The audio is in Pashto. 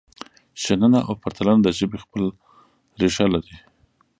شننه او پرتلنه د ژبې خپل ریښه لري.